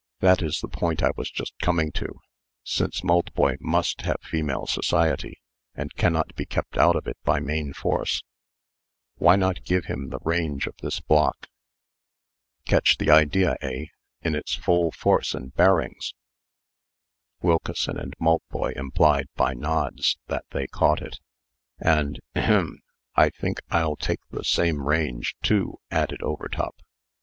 "That is the point I was just coming to. Since Maltboy must have female society, and cannot be kept out of it by main force, why not give him the range of this block? Catch the idea, eh? in its full force and bearings?" "Wilkeson and Maltboy implied, by nods, that they caught it. "And ahem I think I'll take the same range too," added Overtop.